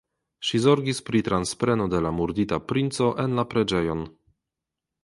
Ŝi zorgis pri transpreno de la murdita princo en la preĝejon.